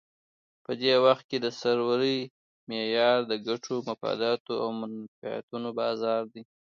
په دې وخت کې د سرورۍ معیار د ګټو، مفاداتو او منفعتونو بازار دی.